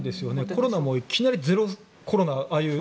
コロナもいきなりゼロコロナと、ああいう。